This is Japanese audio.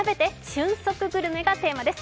瞬速グルメがテーマです。